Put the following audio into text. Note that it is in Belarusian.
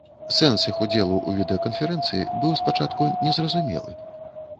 Сэнс іх удзелу ў відэаканферэнцыі быў спачатку незразумелы.